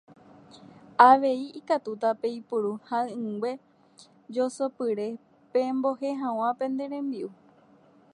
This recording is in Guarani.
Avei ikatúta peipuru ha'ỹingue josopyre pembohe hag̃ua pene rembi'u.